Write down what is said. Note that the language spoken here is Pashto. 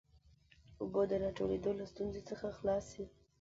اوبو د راټولېدو له ستونزې څخه خلاص سي.